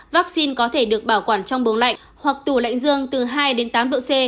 vaccine có thể được bảo quản trong bầu lạnh hoặc tủ lạnh dương từ hai đến tám độ c